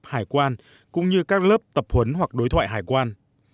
hải quan cũng như các lớp tập huấn hoặc đối thoại hải quan